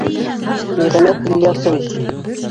Ниғәмәт Ильясович!